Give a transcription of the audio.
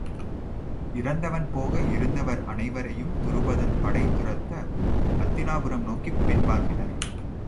இறந்தவர் போக இருந்தவர் அனைவரையும் துருபதன் படை துரத்த அத்தினாபுரம் நோக்கிப் பின்வாங்கினர்.